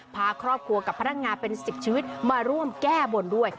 พาครอบครัวกับพนักงานเป็น๑๐ชีวิตมาร่วมแก้บนด้วย